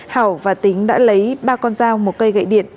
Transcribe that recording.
hảo và tính đã lấy ba con dao một cây gậy điện